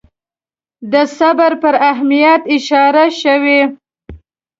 د صبر پر اهمیت اشاره شوې.